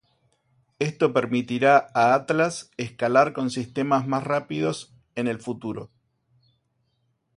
Esto permitirá a Atlas escalar con sistemas más rápidos en el futuro.